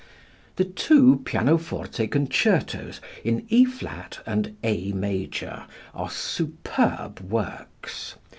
The two pianoforte concertos (in E flat and A major) are superb works.